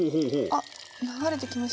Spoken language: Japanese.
あっ流れてきました。